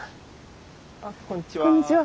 あっこんにちは。